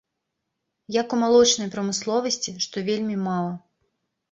Як у малочнай прамысловасці, што вельмі мала.